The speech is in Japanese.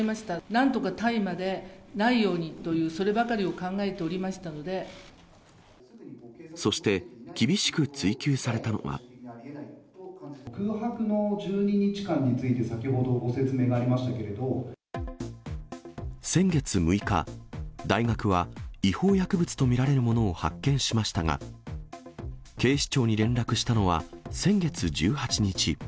なんとか大麻でないようにと、そればかりを考えておりましたのそして、厳しく追及されたの空白の１２日間について、先月６日、大学は違法薬物と見られるものを発見しましたが、警視庁に連絡したのは先月１８日。